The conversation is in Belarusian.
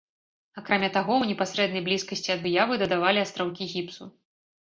Акрамя таго, у непасрэднай блізкасці ад выявы дадавалі астраўкі гіпсу.